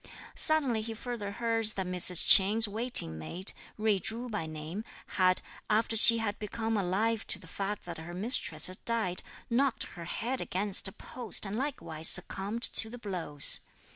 Suddenly he further heard that Mrs. Ch'in's waiting maid, Jui Chu by name, had, after she had become alive to the fact that her mistress had died, knocked her head against a post, and likewise succumbed to the blows.